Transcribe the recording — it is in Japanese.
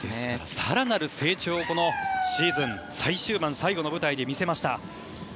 更なる成長をシーズン最終盤最後の舞台で見せました。